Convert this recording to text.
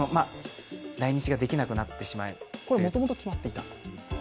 来日ができなくなってしまってこれはもともと決まっていた？